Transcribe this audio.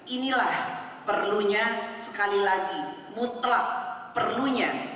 inilah perlunya sekali lagi mutlak perlunya